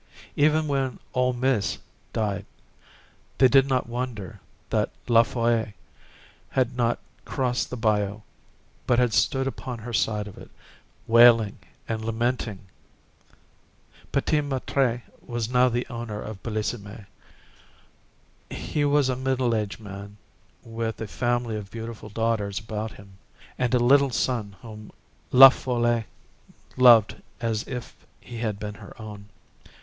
Even when "Old Mis'" died, they did not wonder that La Folle had not crossed the bayou, but had stood upon her side of it, wailing and lamenting. P'tit Maître was now the owner of Bellissime. He was a middle aged man, with a family of beautiful daughters about him, and a little son whom La Folle loved as if he had been her own.